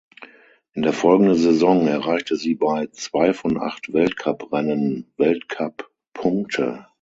In der folgenden Saison erreichte sie bei zwei von acht Weltcuprennen Weltcuppunkte.